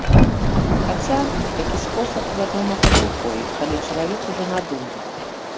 Хаця, такі спосаб, вядома, пад рукой, калі чалавек ужо надумаў.